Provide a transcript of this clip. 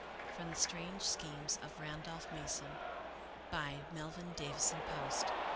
From " The Strange Schemes of Randolph Mason," by Melville Davisson Post.